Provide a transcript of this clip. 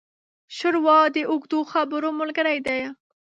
ښوروا د اوږدو خبرو ملګري ده.